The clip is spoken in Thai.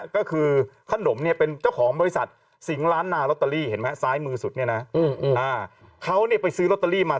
ก็คือขนมเนี่ยเป็นเจ้าของบริษัทสิงห์ร้านนาลอตเตอรี่เห็นมั้ย